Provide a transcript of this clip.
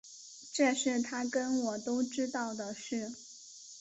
这是他跟我都知道的事